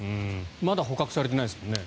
まだ捕獲されてないですよね？